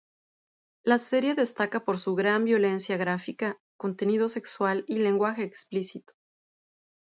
La serie destaca por su gran violencia gráfica, contenido sexual y lenguaje explícito.